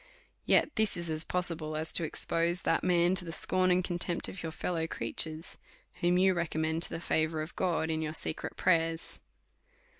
Yet this is as possible, as to expose that man to the scorn and contempt of your fellow creatures, whom you recom mend to the favour of God in your secret prayers.